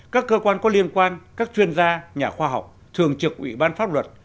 các cơ quan có liên quan các chuyên gia nhà khoa học thường trực ủy ban pháp luật